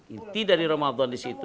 inti dari ramadhan disitu